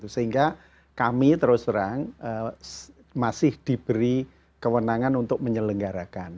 sehingga kami terus terang masih diberi kewenangan untuk menyelenggarakan